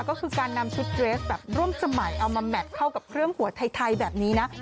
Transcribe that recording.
ก็คือการนำชุดเรสแบบร่วมสมัยเอามาแมทเข้ากับเครื่องหัวไทยแบบนี้นะ